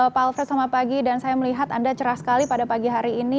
pak alfred selamat pagi dan saya melihat anda cerah sekali pada pagi hari ini